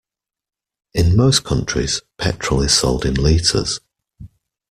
In most countries, petrol is sold in litres